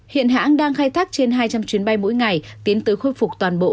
hiện hãng đang khai thác trên hai trăm linh chuyến bay mỗi ngày tiến tới khôi phục toàn bộ